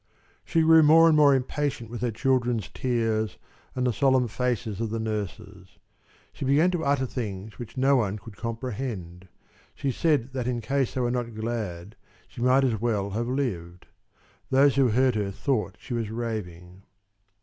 She grew more and more impatient with her children's tears and with the solemn faces of the nurses. She began to utter things which no one could comprehend. She said that in case they were not glad she might just as well have lived. Those who heard her thought she was raving.